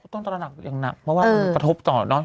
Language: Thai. ตระหนักอย่างหนักเพราะว่ามันกระทบต่อเนอะ